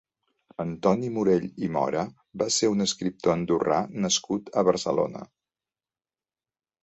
Antoni Morell i Mora va ser un escriptor andorrà nascut a Barcelona.